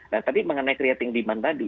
nah tadi mengenai creating demand tadi